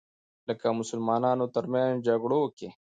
لکه مسلمانانو تر منځ جګړو کې